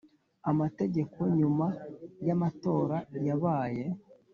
amategeko nyuma y amatora yabaye